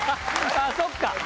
あっそっか。